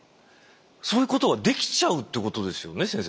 そういうことができちゃうってことですよね先生。